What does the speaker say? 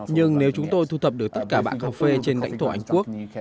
nhưng nếu chúng tôi thu thập được tất cả bã cà phê trên cảnh thổ anh quốc